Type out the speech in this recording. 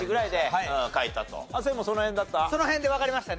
亜生もその辺だった？